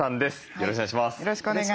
よろしくお願いします。